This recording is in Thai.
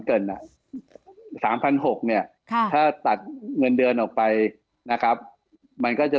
เกินอ่ะ๓๖๐๐เนี่ยถ้าตัดเงินเดือนออกไปนะครับมันก็จะ